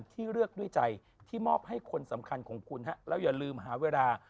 ที่มอบให้คนสำคัญของคุณแล้วอย่าลืมหาเวลา